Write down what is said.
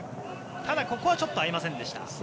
ただ、ここはちょっと合いませんでした。